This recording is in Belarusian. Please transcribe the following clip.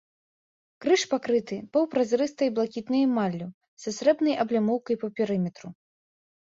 Крыж пакрыты паўпразрыстай блакітнай эмаллю, са срэбнай аблямоўкай па перыметру.